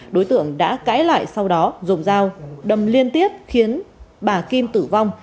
đối tượng đã cãi lại sau đó dùng dao đâm liên tiếp khiến bà kim tử vong